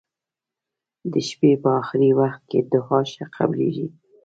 د شپي په اخرې وخت کې دعا ښه قبلیږی.